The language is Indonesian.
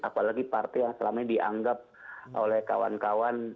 apalagi partai yang selama ini dianggap oleh kawan kawan